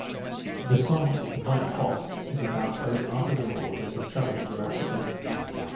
The song "White Hot" is about poet Arthur Rimbaud and his travels through Africa.